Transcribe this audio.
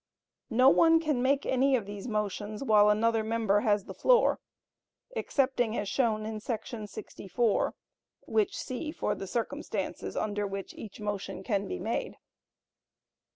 No one can make any of these motions while another member has the floor, excepting as shown in § 64, which see for the circumstances under which each motion can be made.